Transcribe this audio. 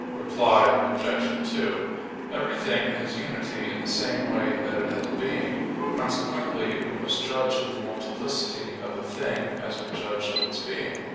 Reply Obj. 2: Everything has unity in the same way that it has being; consequently we must judge of the multiplicity of a thing as we judge of its being.